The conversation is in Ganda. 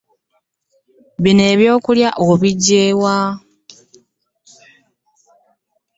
Bino eb'okulya obijja wa.